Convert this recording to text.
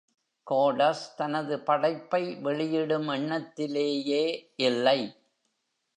Cordus தனது படைப்பை வெளியிடும் எண்ணத்திலேயே இல்லை.